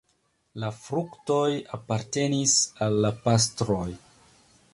La fruktoj apartenis al la pastroj.